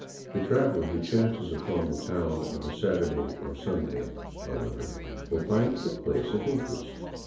The traveler who chances upon the town of a Saturday or Sunday, however, will find it a place of interest.